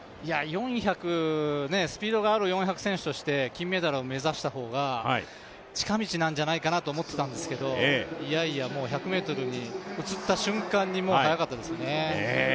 ４００、スピードがある４００選手として金メダルを目指した方が近道なんじゃないかなと思ってたんですけどいやいや１００ｍに移った瞬間に、もう速かったですね。